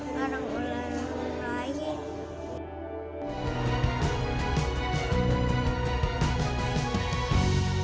jadi malam establishing di kubur di sini lainnya